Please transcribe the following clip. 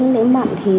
lễ mạng thì